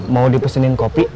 mau dipesenin kopi